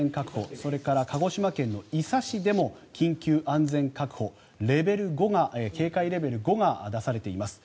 それから鹿児島県の伊佐市でも緊急安全確保警戒レベル５が出されています。